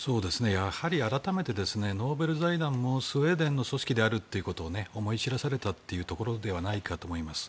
改めてノーベル財団もスウェーデンの組織であるということを思い知らされたというところではないかと思います。